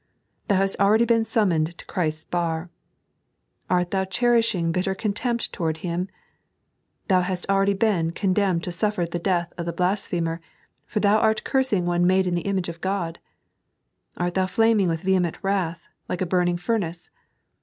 Thou hast already been sum moned to Christ's bar ! Art thou cherishing bitter contempt towards Him % Thou hast been already con demned to Bufier the death of the blasphemer, for thou art cursing one made in the image of God I Art thou flaming with vehement wrath, like a burning furnace